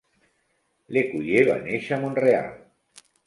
L'Ecuyer va néixer a Mont-real.